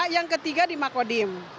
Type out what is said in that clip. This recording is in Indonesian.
yang ketiga di makodim